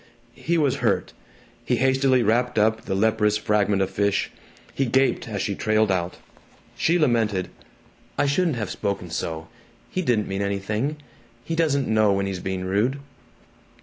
He was hurt. He hastily wrapped up the leprous fragment of fish; he gaped as she trailed out. She lamented, "I shouldn't have spoken so. He didn't mean anything. He doesn't know when he is being rude."